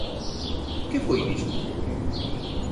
¿Que foi disto?